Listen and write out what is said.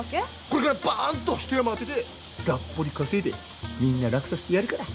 これからバーンと一山当ててがっぽり稼いでみんな楽させてやるから。